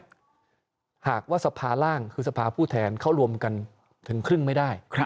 หากว่าสภาร่างคือสภาผู้แทนเขารวมกันถึงครึ่งไม่ได้